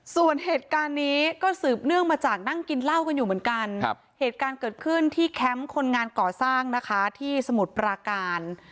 ส่วนเหตุการณ์นี้ก็สืบเนื่องมาจากนั่งกินเหตุการณ์เหตุการณ์เกิดขึ้นที่แคมป์คนงานก่อสร้างที่สมุทรปราการ